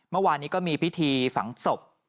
เมื่อวานนี้ก็มีพิธีฝังศพ